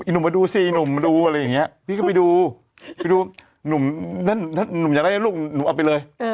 หนุ่มมาดูสิหนุ่มดูเขาก็ไปดูถ้าหนุ่มอยากเล่งลูกหนุ่มเอาไปเลย